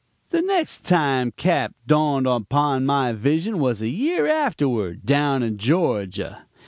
"The next time Cap. dawned upon my vision was a year afterward, down in Georgia.